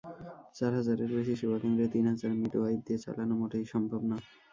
চার হাজারের বেশি সেবাকেন্দ্রে তিন হাজার মিডওয়াইফ দিয়ে চালানো মোটেই সম্ভব না।